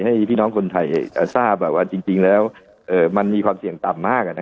ให้พี่น้องคนไทยทราบว่าจริงแล้วมันมีความเสี่ยงต่ำมาก